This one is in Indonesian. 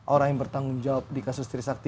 orang yang bertanggung jawab di kasus trisakti